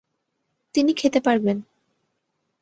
তিনি খেতে পারবেন।